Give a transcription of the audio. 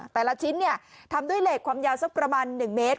แต่ละชิ้นทำด้วยเหล็กความยาวสักประมาณ๑เมตร